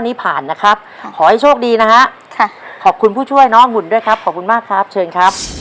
นี่ผ่านนะครับขอให้โชคดีนะฮะค่ะขอบคุณผู้ช่วยน้องหุ่นด้วยครับขอบคุณมากครับเชิญครับ